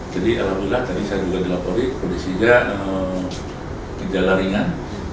jadi alhamdulillah tadi saya juga dilaporin kondisinya tidak laringan